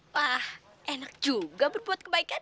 wah enak juga berbuat kebaikan